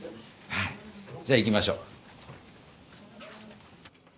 じゃあ行きましょう。